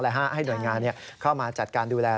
ให้หน่วยงานเข้ามาจัดการดูแล